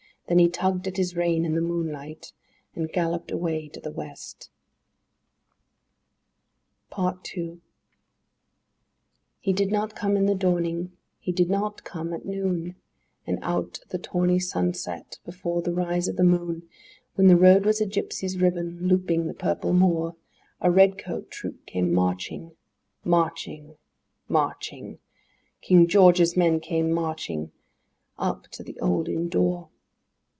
Then he tugged at his rein in the moonliglt, and galloped away to the West. PART TWO I He did not come in the dawning; he did not come at noon; And out o' the tawny sunset, before the rise o' the moon, When the road was a gypsy's ribbon, looping the purple moor, A red coat troop came marching— Marching—marching— King George's men came matching, up to the old inn door.